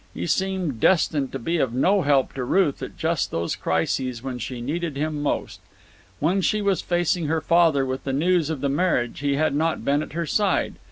He seemed destined to be of no help to Ruth at just those crises when she needed him most. When she was facing her father with the news of the marriage he had not been at her side.